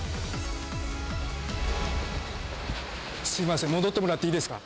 すみません、戻ってもらっていいですか？